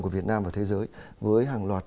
của việt nam và thế giới với hàng loạt